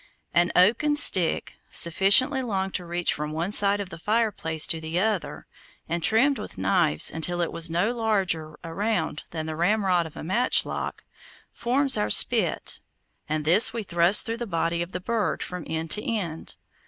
An oaken stick, sufficiently long to reach from one side of the fireplace to the other, and trimmed with knives until it was no larger around than the ramrod of a matchlock, forms our spit, and this we thrust through the body of the bird from end to end.